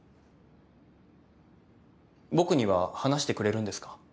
僕には話してくれるんですか？